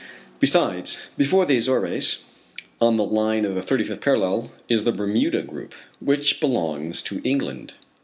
Besides, before the Azores, on the line of the thirty fifth parallel, is the Bermuda group, which belongs to England.